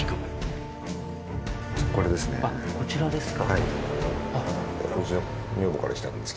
こちらですか。